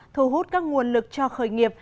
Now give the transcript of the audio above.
thu hút các nguồn lực cho khởi nghiệp